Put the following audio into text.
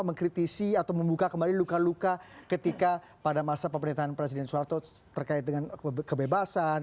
mengkritisi atau membuka kembali luka luka ketika pada masa pemerintahan presiden soeharto terkait dengan kebebasan